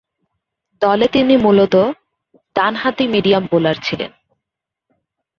দলে তিনি মূলতঃ ডানহাতি মিডিয়াম বোলার ছিলেন।